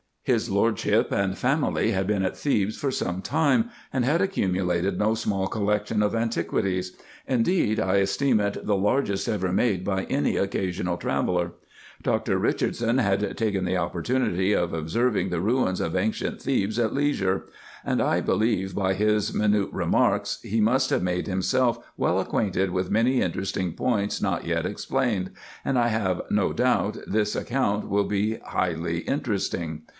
His Lordship and family had been at Thebes for some time, and had accumulated no small collection of antiquities ; indeed, I esteem it the largest ever made by any occasional traveller. Dr. Richardson had taken the opportunity of observing the ruins of ancient Thebes at leisure ; and I believe, by his minute remarks, he must have made himself well acquainted with many interesting points not yet explained, and I have no doub this account will be highly interesting.